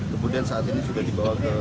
kemudian saat ini sudah dibawa ke